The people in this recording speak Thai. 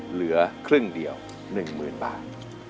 เหลือครึ่งเดียว๑๐๐๐บาท